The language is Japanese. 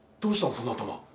その頭。